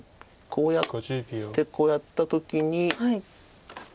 こうやってこうやった時に。